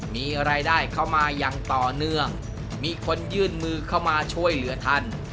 มีรายได้เข้ามาอย่างต่อเนื่องมีคนยื่นมือเข้ามาช่วยเหลือท่าน